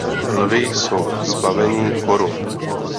Lvi jsou zbaveni korun.